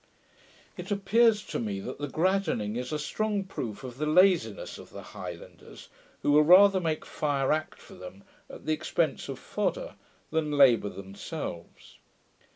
It appears to me, that the graddaning is a strong proof of the laziness of the highlanders, who will rather make fire act for them, at the expence of fodder, than labour themselves.